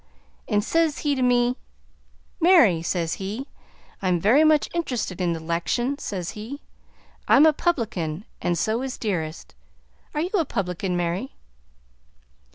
An' sez he to me: 'Mary,' sez he, 'I'm very much int'rusted in the 'lection,' sez he. 'I'm a 'publican, an' so is Dearest. Are you a 'publican, Mary?'